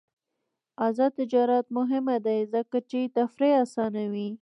آزاد تجارت مهم دی ځکه چې تفریح اسانوي.